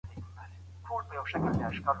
ښوونکی زدهکوونکو ته د شوق او هڅي ارزښت ښيي.